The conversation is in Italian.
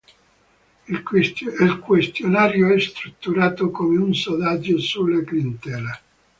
Il questionario è strutturato come un sondaggio sulla clientela.